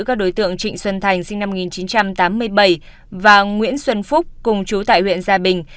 các đối tượng trịnh xuân thành sinh năm một nghìn chín trăm tám mươi bảy và nguyễn xuân phúc cùng chú tại huyện gia bình